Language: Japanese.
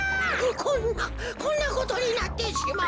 こんなこんなことになってしまうのか。